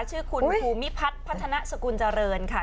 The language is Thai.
ชื่อคุณภูมิพัฒน์พัฒนาสกุลเจริญค่ะ